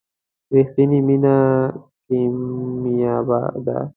رښتینې مینه کمیابه ده.